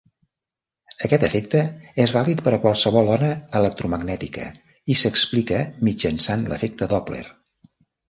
Aquest efecte és vàlid per a qualsevol ona electromagnètica i s'explica mitjançant l'efecte Doppler.